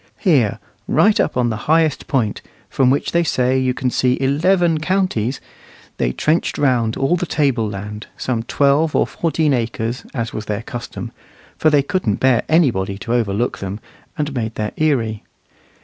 Here, right up on the highest point, from which they say you can see eleven counties, they trenched round all the table land, some twelve or fourteen acres, as was their custom, for they couldn't bear anybody to overlook them, and made their eyrie.